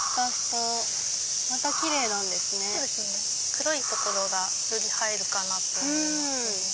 黒い所がより映えるかなと思います。